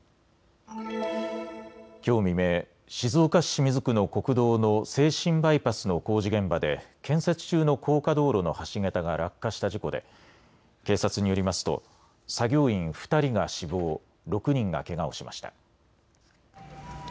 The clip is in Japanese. きょう未明、静岡市清水区の国道の静清バイパスの工事現場で建設中の高架道路の橋桁が落下した事故で警察によりますと作業員２人が死亡、６人がけがをしました。